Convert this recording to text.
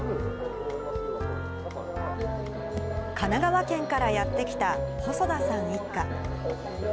神奈川県からやって来た細田さん一家。